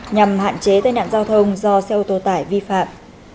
nhằm hạn chế tai nạn giao thông do xe ô tô tải vi phạm